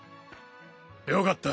よかった。